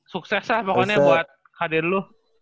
sukses lah pokoknya buat hadir lu